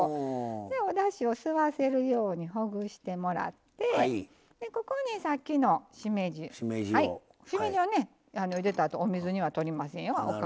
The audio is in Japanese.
おだしを吸わせるようにほぐしてもらってここに、さっきのしめじを入れたあとお水にはとりませんよ。